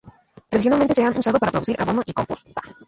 Tradicionalmente se han usado para producir abono y compost.